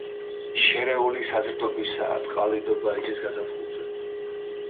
შერეული საზრდოობისაა, წყალდიდობა იცის გაზაფხულზე.